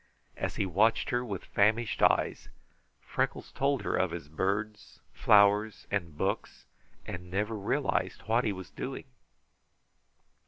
As he watched her with famished eyes, Freckles told her of his birds, flowers, and books, and never realized what he was doing.